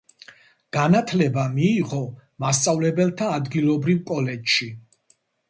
განათლება მიიღო მასწავლებელთა ადგილობრივ კოლეჯში.